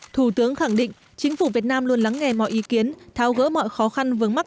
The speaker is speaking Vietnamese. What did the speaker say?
thủ tướng khẳng định chính phủ việt nam luôn lắng nghe mọi ý kiến tháo gỡ mọi khó khăn vướng mắt